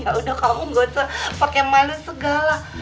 ya udah kamu nggak usah pakai malu segala